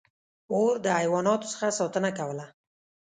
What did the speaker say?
• اور د حیواناتو څخه ساتنه کوله.